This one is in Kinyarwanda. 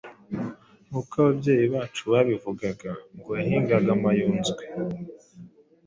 nuko ababyeyi bacu babivugaga, ngo yahingaga Mayunzwe,